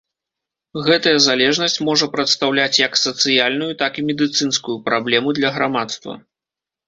Гэтая залежнасць можа прадстаўляць як сацыяльную, так і медыцынскую праблему для грамадства.